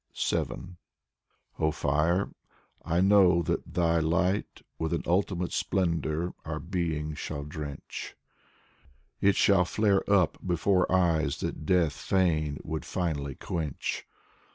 7 Oh, Fire, I know That thy light with an ultimate splendor our being shall drench ; It shall flare up before eyes that Death fain would finally quench.